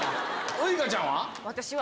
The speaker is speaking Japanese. ウイカちゃんは？